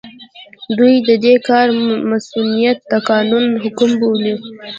دوی د دې کار مصؤنيت د قانون حکم بولي.